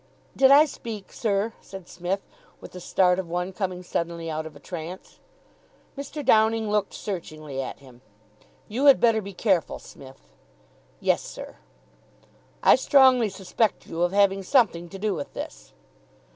"Did I speak, sir?" said Psmith, with the start of one coming suddenly out of a trance. Mr. Downing looked searchingly at him. "You had better be careful, Smith." "Yes, sir." "I strongly suspect you of having something to do with this."